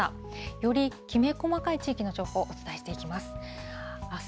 よりきめ細かい地域の情報、お伝えしていきます。